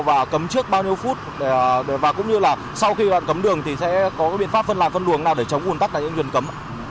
và cấm trước bao nhiêu phút và cũng như là sau khi cấm đường thì sẽ có biện pháp phân làm phân luồng nào để chống uồn tắt những chuyển cấm